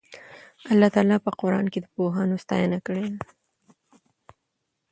الله تعالی په قرآن کې د پوهانو ستاینه کړې ده.